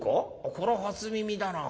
こらぁ初耳だな。